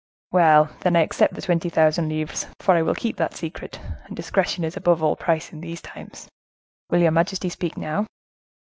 "Well! then I accept the twenty thousand livres, for I will keep that secret, and discretion is above all price, in these times. Will your majesty speak now?"